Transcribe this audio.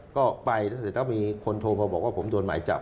ก็ไปแล้วเสร็จแล้วมีคนโทรมาบอกว่าผมโดนหมายจับ